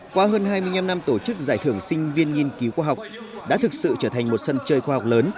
qua hơn hai mươi năm năm tổ chức giải thưởng sinh viên nghiên cứu khoa học đã thực sự trở thành một sân chơi khoa học lớn